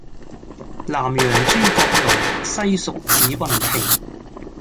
南陽諸葛廬，西蜀子雲亭